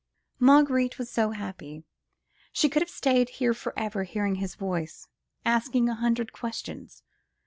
Marguerite was so happy, she could have stayed here for ever, hearing his voice, asking a hundred questions.